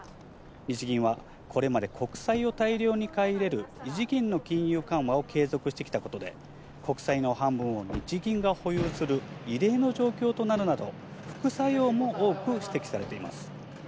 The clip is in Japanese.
日銀はこれまで、国債を大量に買い入れる異次元の金融緩和を継続してきたことで、国債の半分を日銀が保有する異例の状況となるなど、副作用も多く指摘されています。